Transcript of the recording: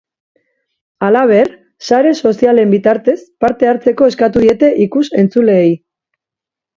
Halaber, sare sozialen bitartez parte hartzeko eskatuko diete ikus-entzuleei.